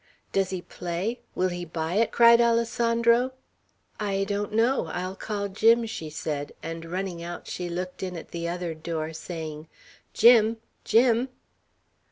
"Does he play? Will he buy it?" cried Alessandro. "I don't know; I'll call Jim," she said; and running out she looked in at the other door, saying, "Jim! Jim!"